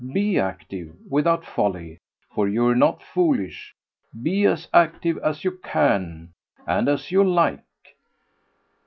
BE active, without folly for you're not foolish: be as active as you can and as you like."